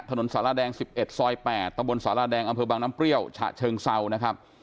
ถนนสารแดง๑๑ซอย๘ตะบนสาราแดงอำเภอบางน้ำเปรี้ยวฉะเชิงเซานะครับ